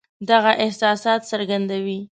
دغه احساسات څرګندوي.